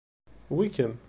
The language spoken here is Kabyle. Wi i kemm.